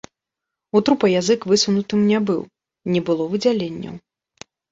У трупа язык высунутым не быў, не было выдзяленняў.